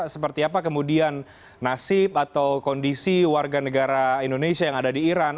seperti apa kemudian nasib atau kondisi warga negara indonesia yang ada di iran